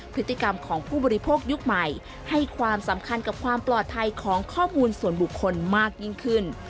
พฤติกรรมของผู้บริโภคยุคใหม่ให้ความสำคัญกับความปลอดภัยของข้อมูลส่วนบุคคลมากยิ่งขึ้น